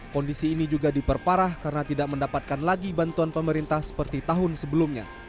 kondisi ini juga diperparah karena tidak mendapatkan lagi bantuan pemerintah seperti tahun sebelumnya